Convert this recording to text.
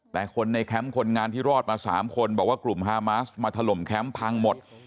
แต่คนในแคมป์คนงานที่รอดมา๓คนบอกว่ากลุ่มฮามาสมาถล่มแคมป์พังหมด